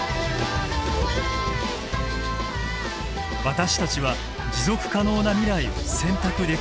私たちは持続可能な未来を選択できるのか？